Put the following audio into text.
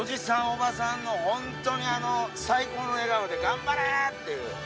おばさんの本当にあの最高の笑顔で「頑張れ！」っていう。